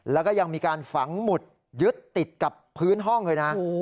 แล้วก็ยังมีการฝังหมุดยึดติดกับพื้นห้องเลยนะ